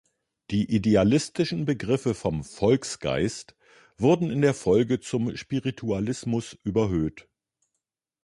Die idealistischen Begriffe vom Volksgeist wurden in der Folge zum Spiritualismus überhöht.